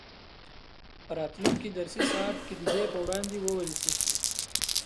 په راتلونکي درسي ساعت کې دې په وړاندې وویل شي.